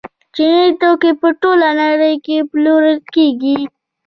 چیني توکي په ټوله نړۍ کې پلورل کیږي.